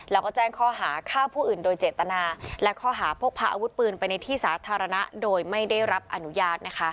แล้วก็แจ้งข้อหาฆ่าผู้อื่นโดยเจตนาและข้อหาพกพาอาวุธปืนไปในที่สาธารณะโดยไม่ได้รับอนุญาต